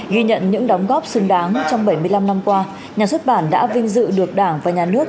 ghi nhận những đóng góp xứng đáng trong bảy mươi năm năm qua nhà xuất bản đã vinh dự được đảng và nhà nước